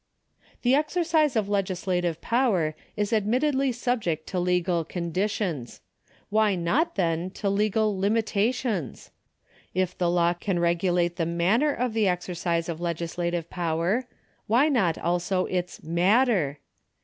The exercise of legislative power is admittedly subject to legal conditions ; why not, then, to legal limitations ? If the law can regulate the manner of the exercise of legislative power, why not also its nuitter